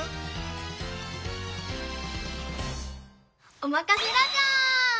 おまかせラジャー！